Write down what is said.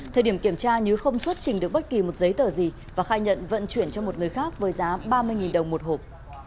thời điểm kiểm tra nhứ không xuất trình được bất kỳ một giấy tờ gì và khai nhận vận chuyển cho một người khác với giá ba mươi đồng một hộp